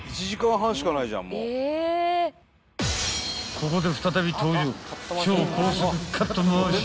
［ここで再び登場］